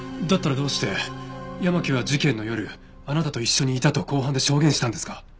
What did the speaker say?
だったらどうして山木は事件の夜あなたと一緒にいたと公判で証言したんですか？